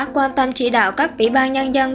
quan tâm chỉ đạo các bỉ ban nhân dân